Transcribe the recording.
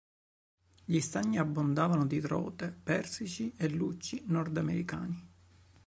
Gli stagni abbondavano di trote, persici e lucci nordamericani.